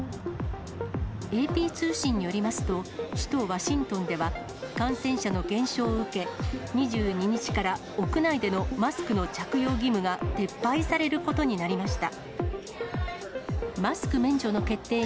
ＡＰ通信によりますと、首都ワシントンでは、感染者の減少を受け、２２日から屋内でのマスクの着用義務が撤廃されることになりました。